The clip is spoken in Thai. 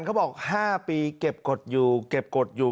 เขาบอก๕ปีเก็บกฎอยู่